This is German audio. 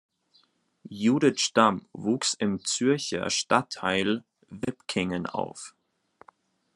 Judith Stamm wuchs im Zürcher Stadtteil Wipkingen auf.